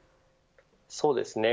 そうですね。